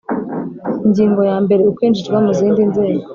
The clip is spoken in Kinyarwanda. Ingingo yambere Ukwinjizwa mu zindi nzego